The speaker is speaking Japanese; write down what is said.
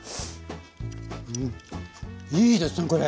うんいいですねこれ！